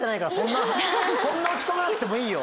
そんな落ち込まなくてもいいよ。